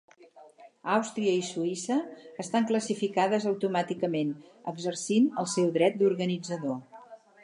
Àustria i Suïssa estan classificades automàticament, exercint el seu dret d'organitzador.